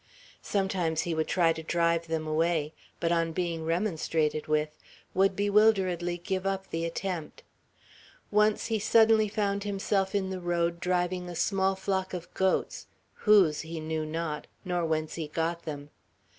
Sometimes he would try to drive them away; but on being remonstrated with, would bewilderedly give up the attempt. Once he suddenly found himself in the road driving a small flock of goats, whose he knew not, nor whence he got them.